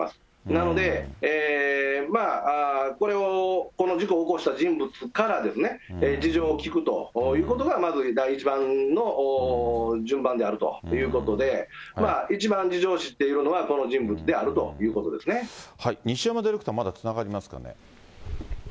なので、これをこの事故を起こした人物から事情を聴くということがまず第一番の順番であるということで、一番事情を知っているのは、この西山ディレクター、まだつながりますかね。